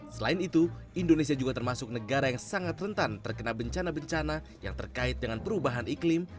selain itu indonesia juga termasuk negara yang sangat rentan terkena bencana bencana yang terkait dengan perubahan iklim